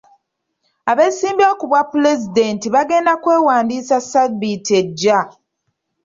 Abeesimbyewo ku bwapulezidenti bagenda okwewandiisa Ssabbiiti ejja.